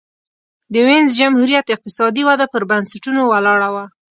د وینز جمهوریت اقتصادي وده پر بنسټونو ولاړه وه.